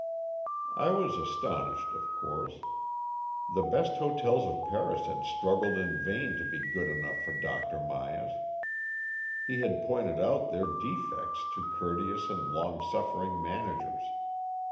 I was astonished, of course. The best hotels of Paris had struggled in vain to be good enough for Dr. Myas. He had pointed out their defects to courteous and long suffering managers.